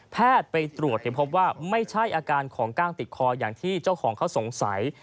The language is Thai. ไปตรวจพบว่าไม่ใช่อาการของกล้างติดคออย่างที่เจ้าของเขาสงสัย